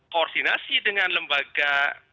koordinasi dengan lembaga